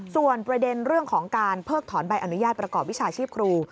ส่วนประเด็นเรื่องของการเพิกถอนใบอนุญาตประกอบวิชาชีพครู